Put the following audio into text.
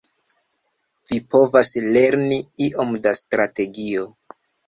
Vi povas lerni iom da strategio.